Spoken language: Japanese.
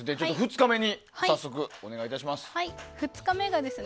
２日目、早速、お願い致します。